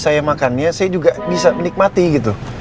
saya makannya saya juga bisa menikmati gitu